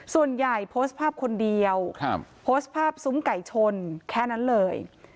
โพสต์ภาพคนเดียวโพสต์ภาพซุ้มไก่ชนแค่นั้นเลย